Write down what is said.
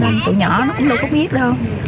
cho nên tụi nhỏ nó cũng đâu có biết đâu